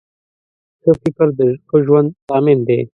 ښه فکر د ښه ژوند ضامن دی